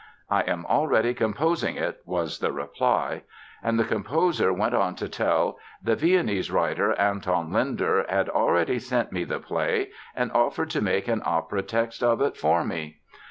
"I am already composing it," was the reply. And the composer went on to tell: "The Viennese writer, Anton Lindner, had already sent me the play and offered to make an opera text of it for me.